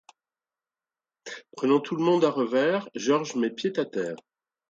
Prenant tout le monde à revers, Georges met pied à terre.